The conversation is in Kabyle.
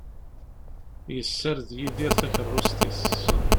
Yessared Yidir takerrust-is.